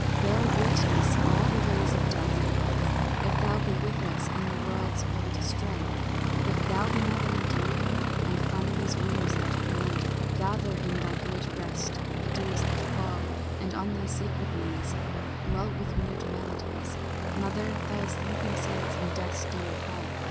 Bear witness all the ways of death and life If thou be with us in the world's old strife, If thou be mother indeed, And from these wounds that bleed Gather in thy great breast the dews that fall, And on thy sacred knees Lull with mute melodies, Mother, thy sleeping sons in death's dim hall.